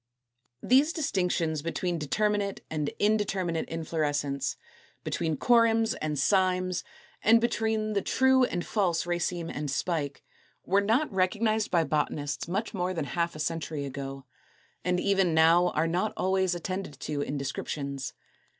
These distinctions between determinate and indeterminate inflorescence, between corymbs and cymes, and between the true and the false raceme and spike, were not recognized by botanists much more than half a century ago, and even now are not always attended to in descriptions.